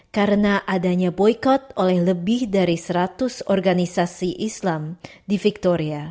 karena adanya boykot oleh lebih dari seratus organisasi islam di victoria